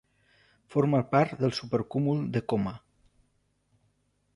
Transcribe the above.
Forma part del supercúmul de Coma.